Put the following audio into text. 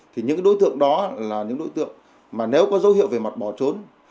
thì những đối tượng đó là những đối tượng mà nếu có dấu hiệu về mặt bỏ trốn